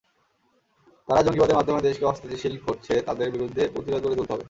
যারা জঙ্গিবাদের মাধ্যমে দেশকে অস্থিতিশীল করছে, তাদের বিরুদ্ধে প্রতিরোধ গড়ে তুলতে হবে।